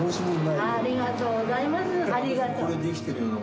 ありがとうございます。